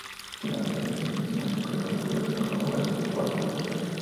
Tiene un ábside semicircular cubierto con una bóveda de cuarto de esfera.